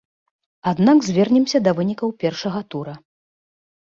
Аднак звернемся да вынікаў першага тура.